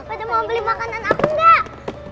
ada mau beli makanan aku nggak